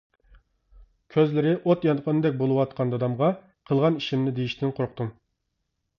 كۆزلىرى ئوت يانغاندەك بولۇۋاتقان دادامغا قىلغان ئىشىمنى دېيىشتىن قورقتۇم.